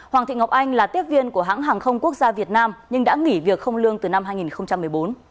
hoàng thị ngọc anh là tiếp viên của hãng hàng không quốc gia việt nam nhưng đã nghỉ việc không lương từ năm hai nghìn một mươi bốn